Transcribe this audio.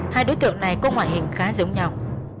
hai đối tượng này có ngoại hình khá giống nhau